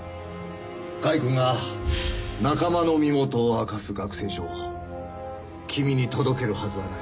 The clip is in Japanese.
甲斐くんが仲間の身元を明かす学生証を君に届けるはずがない。